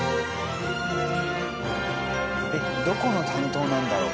えっどこの担当なんだろう？